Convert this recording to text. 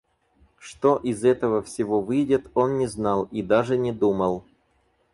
Что из этого всего выйдет, он не знал и даже не думал.